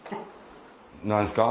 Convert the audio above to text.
何すか？